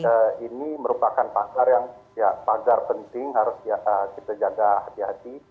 jadi ini merupakan pagar yang ya pagar penting harus kita jaga hati hati